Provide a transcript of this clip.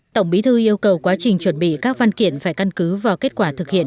tổng bí thư yêu cầu quá trình chuẩn bị các văn kiện phải căn cứ vào kết quả thực hiện